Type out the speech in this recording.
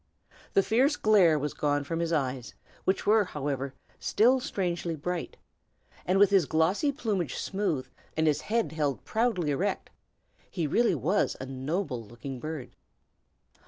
The fierce glare was gone from his eyes, which were, however, still strangely bright; and with his glossy plumage smooth, and his head held proudly erect, he really was a noble looking bird.